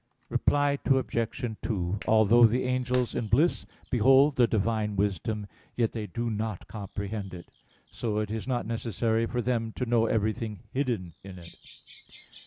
Reply Obj. 2: Although the angels in bliss behold the Divine wisdom, yet they do not comprehend it. So it is not necessary for them to know everything hidden in it.